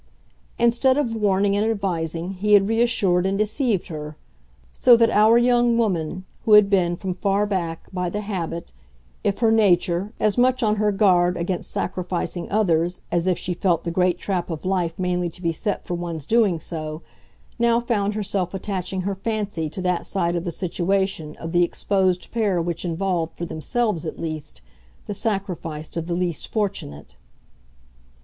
Instead of warning and advising he had reassured and deceived her; so that our young woman, who had been, from far back, by the habit, if her nature, as much on her guard against sacrificing others as if she felt the great trap of life mainly to be set for one's doing so, now found herself attaching her fancy to that side of the situation of the exposed pair which involved, for themselves at least, the sacrifice of the least fortunate.